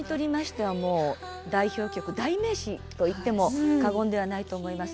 代表曲代名詞といっても過言ではないと思います。